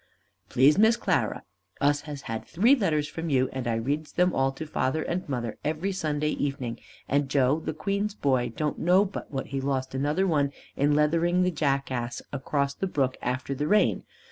Please Miss Clara, us has had three letters from you, and I reads them all to father and mother every Sunday evening, and Joe the Queen's boy don't know but what he lost another one in leathering the jackass across the brook after the rain.